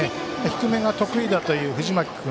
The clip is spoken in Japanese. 低めが得意だという藤巻君。